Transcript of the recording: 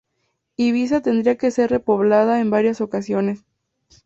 Ibiza tendría que ser repoblada en varias ocasiones.